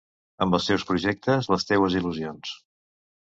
Amb els teus projectes, les teues il·lusions.